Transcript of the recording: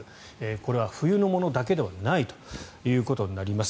これは冬のものだけではないということになります。